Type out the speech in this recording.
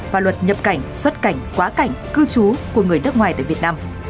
và luật nhập cảnh xuất cảnh quá cảnh cư trú của người nước ngoài tại việt nam